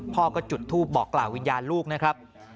พ่อก็จุดทูปบอกกล่าววิญญาณลูกนะครับ